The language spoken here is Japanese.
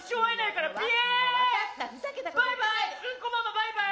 バイバイ！